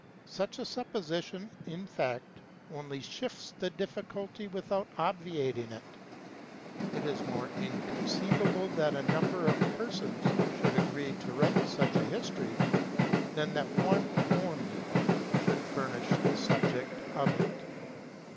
Such a supposition, in fact, only shifts the difficulty without obviating it : it is more inconceivable that a number of persons should agree to write such a history, than that one only should furnish the subject of it.